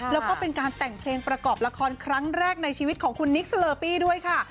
แล้วก็เป็นการแต่งเพลงประกอบละครครั้งแรกในชีวิตของคุณนิกสเลอปี้ด้วยค่ะ